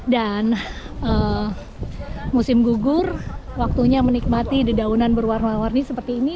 dan musim gugur waktunya menikmati dedaunan berwarna warni seperti ini